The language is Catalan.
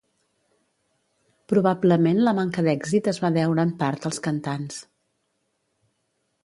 Probablement la manca d'èxit es va deure en part als cantants.